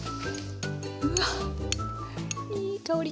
うわっいい香り。